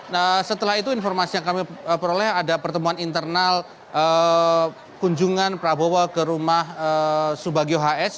nah setelah itu informasi yang kami peroleh ada pertemuan internal kunjungan prabowo ke rumah subagio hs